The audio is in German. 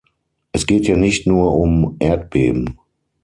Es geht hier nicht nur um Erdbeben.